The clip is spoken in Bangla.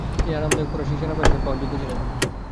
তিনি আরামদায়ক ফরাসী সেনা পেনশন পাওয়ার যোগ্য ছিলেন।